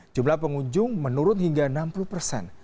jumlah pengunjung menurun hingga enam puluh persen